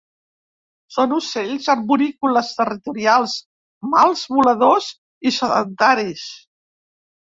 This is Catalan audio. Són ocells arborícoles, territorials, mals voladors i sedentaris.